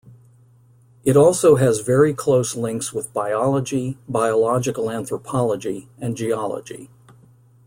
It also has very close links with biology, biological anthropology, and geology.